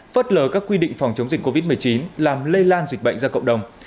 phớt lờ các quy định phòng chống dịch covid một mươi chín làm lây lan dịch bệnh ra cộng đồng